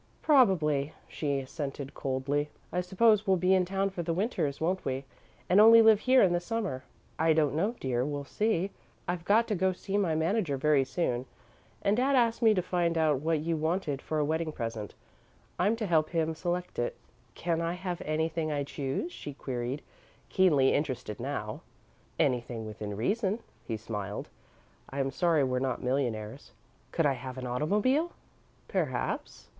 "Probably," she assented, coldly. "I suppose we'll be in town for the Winters, won't we, and only live here in the Summer?" "I don't know, dear; we'll see. I've got to go to see my manager very soon, and Dad asked me to find out what you wanted for a wedding present. I'm to help him select it." "Can I have anything I choose?" she queried, keenly interested now. "Anything within reason," he smiled. "I'm sorry we're not millionaires." "Could I have an automobile?" "Perhaps.